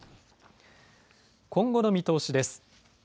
今後の見通しです。